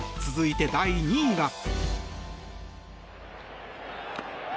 続いて、第２位は。